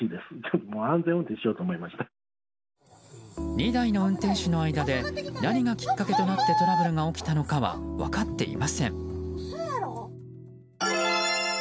２台の運転手の間で何がきっかけとなってトラブルが起きたのかは分かっていません。